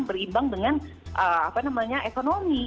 berimbang dengan ekonomi